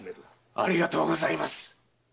ありがとうございます。